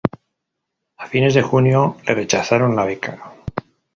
A fines de junio le rechazaron la beca.